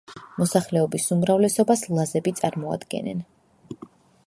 მოსახლეობის უმრავლესობას ლაზები წარმოადგენენ.